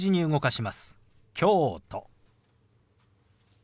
「京都」。